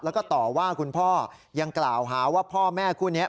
แล้วก็ต่อว่าคุณพ่อยังกล่าวหาว่าพ่อแม่คู่นี้